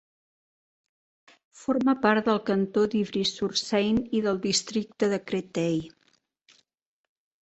Forma part del cantó d'Ivry-sur-Seine i del districte de Créteil.